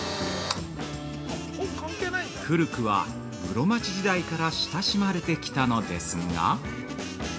古くは室町時代から親しまれてきたのですが◆